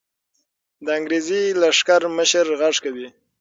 د انګریزي لښکر مشري غږ کوي.